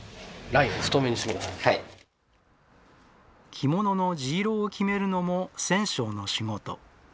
着物の地色を決めるのも染匠の仕事。